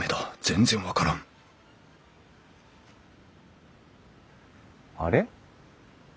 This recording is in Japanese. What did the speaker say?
全然分からんあれ？